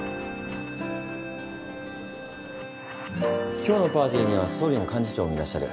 今日のパーティーには総理も幹事長もいらっしゃる。